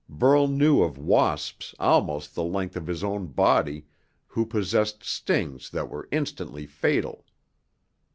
Burl knew of wasps almost the length of his own body who possessed stings that were instantly fatal.